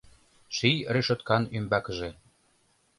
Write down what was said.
Ший решоткан ӱмбакыже